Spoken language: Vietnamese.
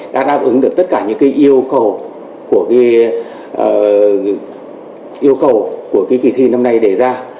đã đáp ứng được tất cả những cái yêu cầu của cái kỳ thi năm nay đề ra